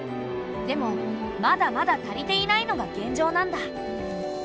でもまだまだ足りていないのが現状なんだ。